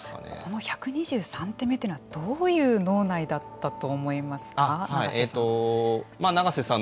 この１２３手目というのはどういう脳内だったと思いますか永瀬さん。